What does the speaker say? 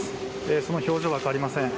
その表情は変わりません。